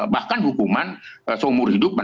bahkan hukuman seumur hidup